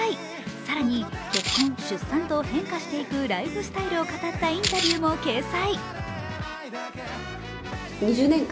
更に結婚、出産と変化していくライフスタイルを語ったインタビューも掲載。